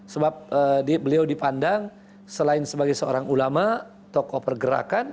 sebab beliau dipandang selain sebagai seorang ulama tokoh pergerakan